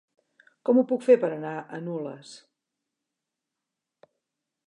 Com ho puc fer per anar a Nules?